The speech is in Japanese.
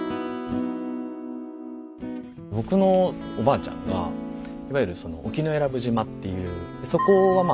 僕のおばあちゃんがいわゆるその沖永良部島っていうそこはまあ